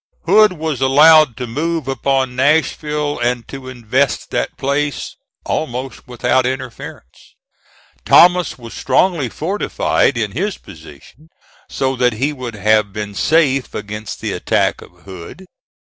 Hood was allowed to move upon Nashville, and to invest that place almost without interference. Thomas was strongly fortified in his position, so that he would have been safe against the attack of Hood.